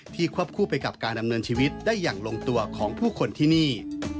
ควบคู่ไปกับการดำเนินชีวิตได้อย่างลงตัวของผู้คนที่นี่